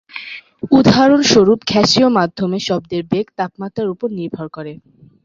উদাহরণস্বরূপ, গ্যাসীয় মাধ্যমে শব্দের বেগ তাপমাত্রার উপর নির্ভর করে।